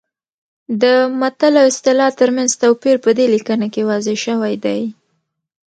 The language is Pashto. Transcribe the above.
د متل او اصطلاح ترمنځ توپیر په دې لیکنه کې واضح شوی دی